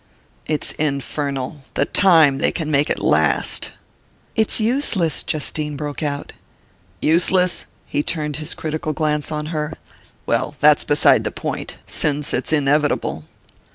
"It's infernal the time they can make it last." "It's useless!" Justine broke out. "Useless?" He turned his critical glance on her. "Well, that's beside the point since it's inevitable."